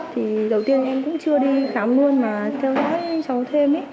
thì đầu tiên em cũng chưa đi khám luôn mà theo sát cháu thêm